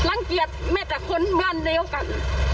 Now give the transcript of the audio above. รังเกียจแม้แต่คนบ้านเดียวกัน